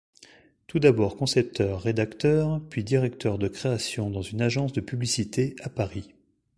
Tout d’abord concepteur-rédacteur puis directeur de création dans une agence de publicité à Paris.